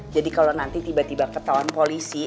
jadi kalo nanti tiba tiba ketauan polisi